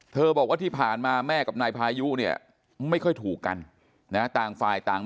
บอกว่าที่ผ่านมาแม่กับนายพายุเนี่ยไม่ค่อยถูกกันนะต่างฝ่ายต่าง